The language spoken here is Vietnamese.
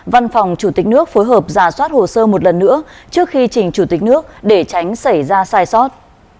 văn phòng chủ tịch nước phối hợp giả soát hồ sơ một lần nữa trước khi trình chủ tịch nước để tránh xảy ra sai sót